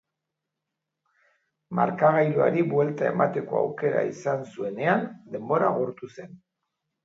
Markagailuari buelta emateko aukera izan zuenean, denbora agortu zen.